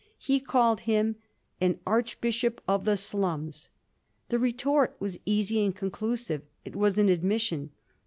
He called him an "Archbishop of the slums." The retort was easy and conclusive. It was an admission.